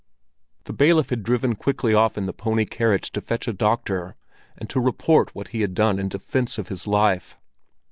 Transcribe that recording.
The bailiff had driven quickly off in the pony carriage to fetch a doctor and to report what he had done in defence of his life.